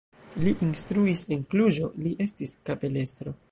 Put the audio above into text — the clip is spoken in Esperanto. Li instruis en Kluĵo, li estis kapelestro.